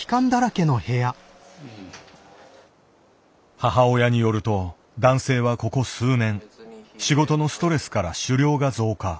母親によると男性はここ数年仕事のストレスから酒量が増加。